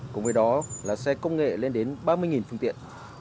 cùng với đó là xe công nghệ lên đến ba mươi phương tiện